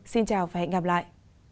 xin chào và hẹn gặp lại